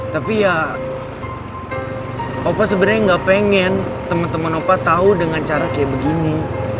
tapi ya opa sebenernya gak pengen temen temen opa tau dengan cara kayak begini